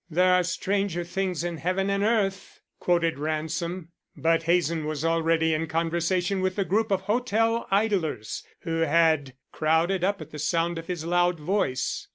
"'There are stranger things in heaven and earth'" quoted Ransom; but Hazen was already in conversation with the group of hotel idlers who had crowded up at sound of his loud voice.